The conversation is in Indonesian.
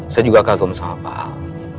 saya juga kagum sama pak al